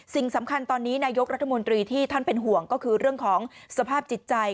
สิ่งสำคัญตอนนี้นายกรัฐมนตรีที่ท่านเป็นห่วงก็คือเรื่องของสภาพจิตใจ